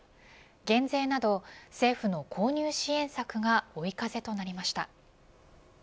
減税など政府の購入支援策が追い風となりました。